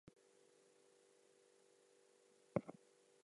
Laurence was the first professionally trained artist to make Alaska his home.